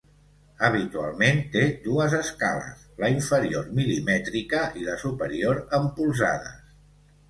Habitualment té dues escales: la inferior mil·limètrica i la superior, en polzades.